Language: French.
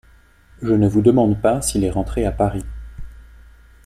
Je ne vous demande pas s’il est rentré à Paris.